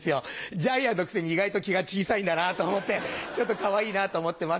ジャイアンのくせに意外と気が小さいんだなと思ってちょっとかわいいなと思ってます。